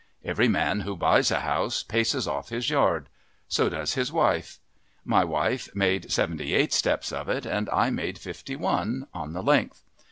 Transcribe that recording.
Every man who buys a house paces off his yard. So does his wife. My wife made seventy eight steps of it and I made fifty one, on the length.